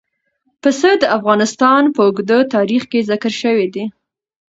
پسه د افغانستان په اوږده تاریخ کې ذکر شوي دي.